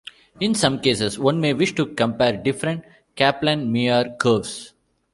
In some cases, one may wish to compare different Kaplan-Meier curves.